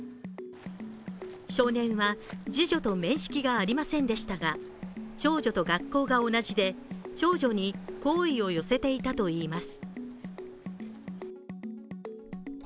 少年は次女と面識がありませんでしたが長女と学校が同じで長女に好意を寄せていたといいます。